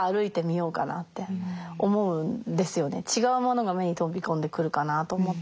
こっちも違うものが目に飛び込んでくるかなと思って。